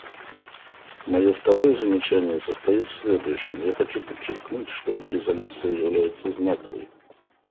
Мое второе замечание состоит в следующем: я хочу подчеркнуть, что эта резолюция является знаковой.